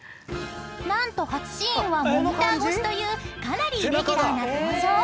［何と初シーンはモニター越しというかなりイレギュラーな登場］